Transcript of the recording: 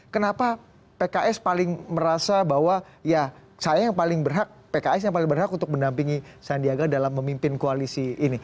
kenapa pks paling merasa bahwa ya saya yang paling berhak pks yang paling berhak untuk mendampingi sandiaga dalam memimpin koalisi ini